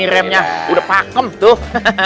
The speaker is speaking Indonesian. remnya udah pakem tuh